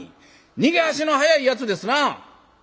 逃げ足の速いやつですな」。